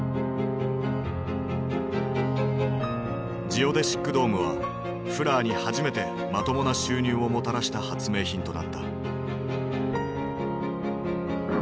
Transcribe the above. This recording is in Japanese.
ジオデシックドームはフラーに初めてまともな収入をもたらした発明品となった。